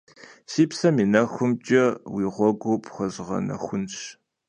Си псэм и нэхумкӏэ, уи гъуэгур пхуэзгъэнэхунщ.